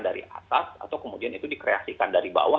dari atas atau kemudian itu dikreasikan dari bawah